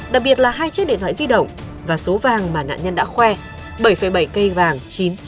đặc biệt là hai chiếc điện thoại di động và số vàng mà nạn nhân đã khoe bảy bảy cây vàng chín nghìn chín trăm chín mươi chín